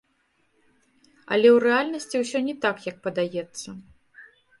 Але ў рэальнасці ўсё не так, як падаецца.